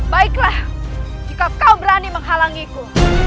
baiklah jika kau berani menghalangiku